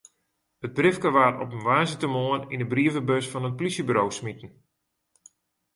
It briefke waard op in woansdeitemoarn yn de brievebus fan it polysjeburo smiten.